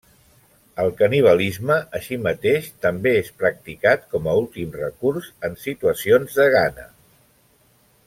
El canibalisme, així mateix, també és practicat com a últim recurs en situacions de gana.